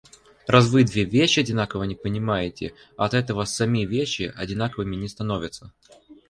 Раз вы две вещи одинаково не понимаете, от этого сами вещи одинаковыми не становятся.